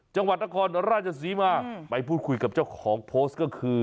จังหวัดนครราชศรีมาไปพูดคุยกับเจ้าของโพสต์ก็คือ